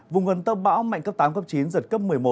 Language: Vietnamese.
vùng gần tâm bão mạnh cấp tám cấp chín giật cấp một mươi một